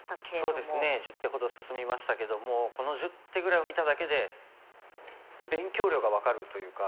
１０手ほど進みましたけどもこの１０手ぐらいを見ただけで勉強量が分かるというか。